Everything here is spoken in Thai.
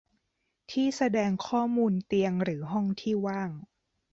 ที่แสดงข้อมูลเตียงหรือห้องที่ว่าง